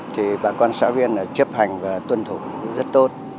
thì bà con xã viên là chấp hành và tuân thủ rất tốt